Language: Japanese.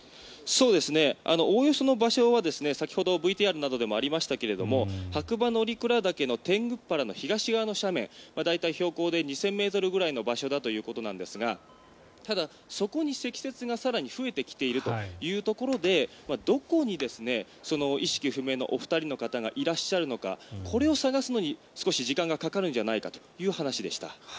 おおよその場所は先ほどＶＴＲなどでもありましたけれども白馬乗鞍岳の天狗原の東側の斜面大体、標高で２０００ｍぐらいのところの場所だということですがただ、そこに積雪が更に増えてきているというところでどこに意識不明の２人の方がいらっしゃるのかこれを探すのに少し時間がかかるんじゃないかという話でした。